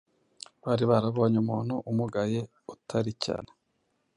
Bari barabonye umuntu umugaye utari cyane